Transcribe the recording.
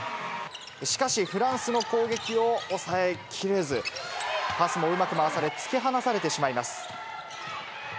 しかし、フランスの攻撃を抑えきれず、パスもうまく回せず、突き放されてしまいます。